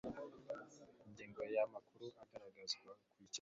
Ingingo ya Amakuru agaragazwa ku kirango